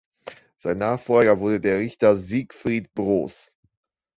Sein Nachfolger wurde der Richter Siegfried Broß.